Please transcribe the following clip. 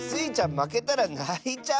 まけたらないちゃうでしょ？